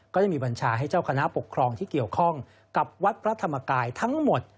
ก็ได้มีบัญชาให้เจ้าคณะปกครองที่เกี่ยวข้องกับวัดพระธรรมกายทั้งหมด